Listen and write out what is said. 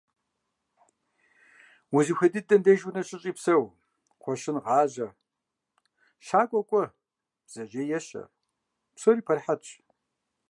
Узыхуей дыдэм деж унэ щыщӀи псэу: кхъуэщын гъажьэ, щакӀуэ кӀуэ, бдзэжьей ещэ. Псори пэрыхьэтщ.